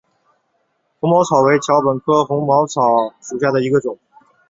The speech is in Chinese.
红毛草为禾本科红毛草属下的一个种。